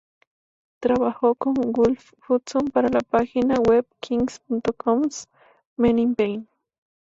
Trabajó con Wolf Hudson para la página web kink.com's "Men In Pain".